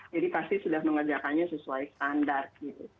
jadi pasti sudah mengerjakannya sesuai standar gitu